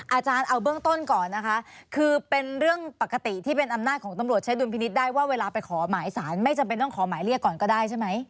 อาจารย์เอาเบื้องต้นก่อนนะคะคือเป็นเรื่องปกติที่เป็นอำนาจของตำรวจใช้ดุลพินิษฐ์ได้ว่าเวลาไปขอหมายสารไม่จำเป็นต้องขอหมายเรียกก่อนก็ได้ใช่ไหม